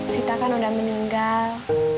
sita kan udah meninggal